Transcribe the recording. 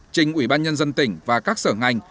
trình ủy ban nhân dân tỉnh và các sở ngành